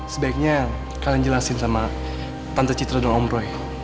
sebaiknya kalian jelasin sama tante citra dong om roy